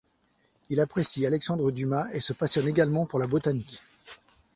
Il apprécie Alexandre Dumas et se passionne également pour la botanique.